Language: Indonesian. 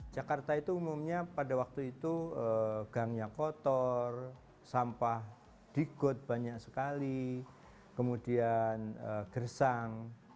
jakarta itu umumnya pada waktu itu gangnya kotor sampah digot banyak sekali kemudian gersang